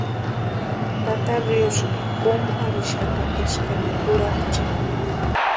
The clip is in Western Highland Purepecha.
Tata riosïni kómu arhixaka eskari kurhachʼaaka.